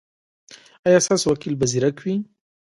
ایا ستاسو وکیل به زیرک وي؟